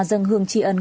dân hương tri ân